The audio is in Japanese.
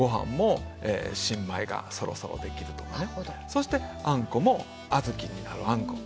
そしてあんこも小豆になるあんこ。